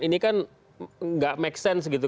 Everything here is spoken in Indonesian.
ini kan gak make sense gitu